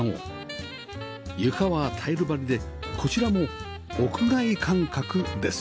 床はタイル張りでこちらも屋外感覚です